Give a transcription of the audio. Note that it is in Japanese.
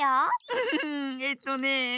フフフえっとね。